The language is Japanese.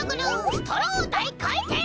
ストローだいかいてん！